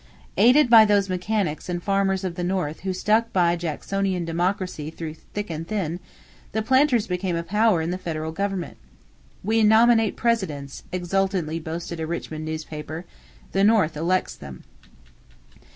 Aided by those mechanics and farmers of the North who stuck by Jacksonian Democracy through thick and thin, the planters became a power in the federal government. "We nominate Presidents," exultantly boasted a Richmond newspaper; "the North elects them."